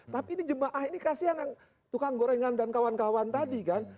tapi ini jemaah ini kasihan yang tukang gorengan dan kawan kawan tadi kan